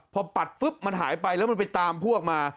พอปัดปุ๊บมันหายไปแล้วมันไปตามพวกมา